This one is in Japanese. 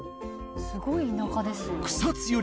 すごい田舎ですよ。